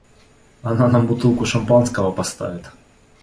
Она нам бутылку шампанского поставит.